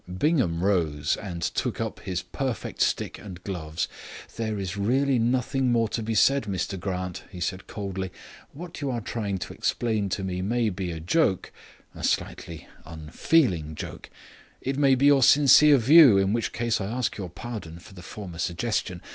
Bingham rose and took up his perfect stick and gloves. "There is really nothing more to be said, Mr Grant," he said coldly. "What you are trying to explain to me may be a joke a slightly unfeeling joke. It may be your sincere view, in which case I ask your pardon for the former suggestion.